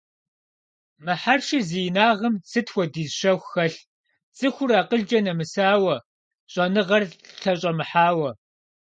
Мы хьэршыр зи инагъым сыт хуэдиз щэху хэлъ, цӀыхур акъылкӀэ нэмысауэ, щӀэныгъэр лъэщӀэмыхьауэ!